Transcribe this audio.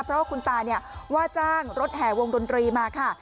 เพราะว่าคุณตาว่าจ้างรถแห่วงดนตรีมาค่ะ